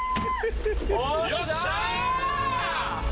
よっしゃ！